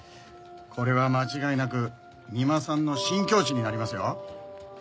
これは間違いなく三馬さんの新境地になりますよ。